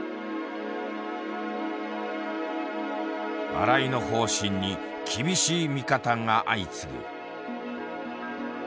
新井の方針に厳しい見方が相次ぐ。